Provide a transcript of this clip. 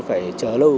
phải chờ lâu